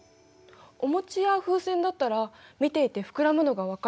お餅や風船だったら見ていて膨らむのが分かるよね。